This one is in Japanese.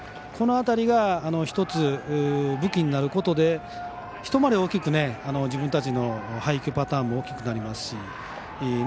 この辺りが１つ武器になることで１回り大きく自分たちの配球パターンも大きくなりますし。